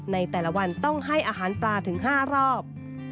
ในแต่ละวันต้องให้อาหารปลาถึง๕รอบ